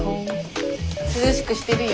涼しくしてるよ。